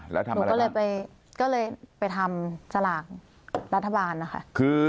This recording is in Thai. หนูก็เลยไปทำสลากรัฐบาลค่ะ